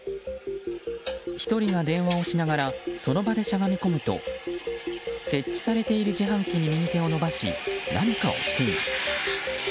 １人が電話をしながらその場でしゃがみ込むと設置されている自販機に右手を伸ばし、何かをしています。